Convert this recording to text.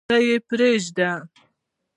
څه یې پرېږدم؟